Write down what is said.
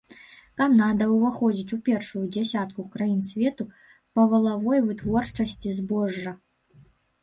Канада ўваходзіць у першую дзясятку краін свету па валавой вытворчасці збожжа.